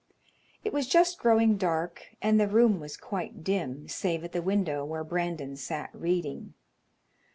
It was just growing dark and the room was quite dim, save at the window where Brandon sat reading.